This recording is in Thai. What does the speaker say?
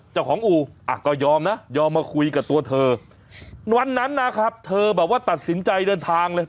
อู่อ่ะก็ยอมนะยอมมาคุยกับตัวเธอวันนั้นนะครับเธอแบบว่าตัดสินใจเดินทางเลย